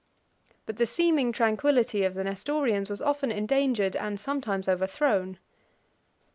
But the seeming tranquillity of the Nestorians was often endangered, and sometimes overthrown.